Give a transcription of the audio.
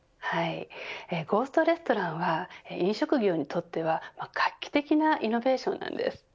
ゴーストレストランは飲食業にとっては画期的なイノベーションなんです。